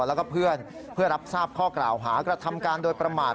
แล้วก็เพื่อนเพื่อรับทราบข้อกล่าวหากระทำการโดยประมาท